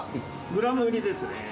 グラム売りですね。